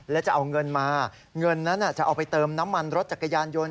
และจะเอาเงินมาเงินนั้นจะเอาไปเติมน้ำมันรถจักรยานยนต